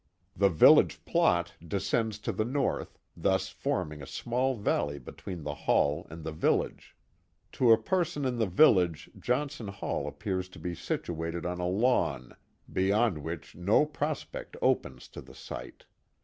The village plot descends to the north, thus forming a small valley between the Hall and the village. To a person in the village Johnson Hall appears to be situated on a lawn, beyond which no prospect opens to the sight.